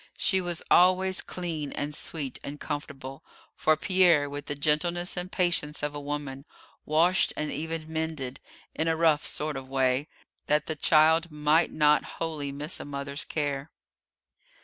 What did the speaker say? She was always clean and sweet and comfortable, for Pierre, with the gentleness and patience of a woman, washed and even mended, in a rough sort of a way, that the child might not wholly miss a mother's care.